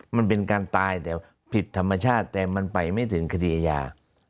มันเป็นการตายแต่ผิดธรรมชาติแต่มันไปไม่ถึงคดีอาญา